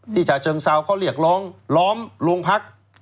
ที่จาเชิงเซาเขาเรียกล้อมลวงพัก